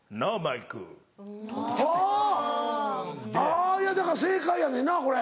あぁいやだから正解やねんなこれ。